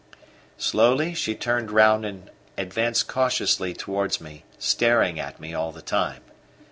Slowly she turned round and advanced cautiously towards me, staring at me all the time.